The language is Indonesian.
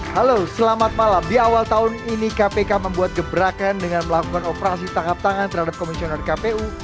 halo selamat malam di awal tahun ini kpk membuat gebrakan dengan melakukan operasi tangkap tangan terhadap komisioner kpu